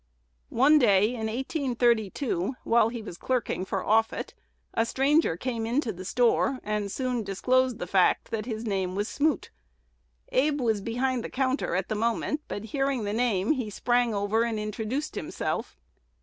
One day in 1832, while he was clerking for Offutt, a stranger came into the store, and soon disclosed the fact that his name was Smoot. Abe was behind the counter at the moment; but, hearing the name, he sprang over and introduced himself.